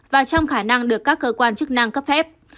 và trong khả năng được các cơ quan chức năng cấp phép